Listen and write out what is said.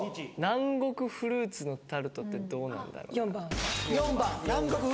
南国フルーツのタルトってどうなんだろうな